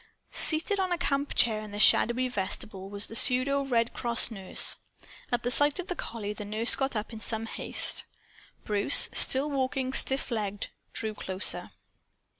Seated on a camp chair in the shadowy vestibule was the pseudo Red Cross nurse. At sight of the collie the nurse got up in some haste. Bruce, still walking stiff legged, drew closer.